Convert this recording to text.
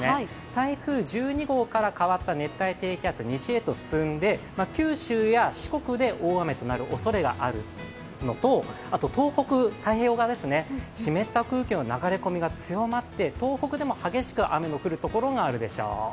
台風１２号から変わった熱帯低気圧、西へと進んで九州や四国で大雨となるおそれがあるのと、東北、太平洋側ですね、湿った空気の流れ込みが強まって、東北でも激しく雨の降るところがあるでしょう。